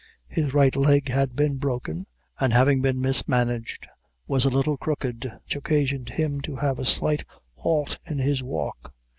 His right leg had been broken, and having been mismanaged, was a little crooked, which occasioned him to have a slight halt in his walk.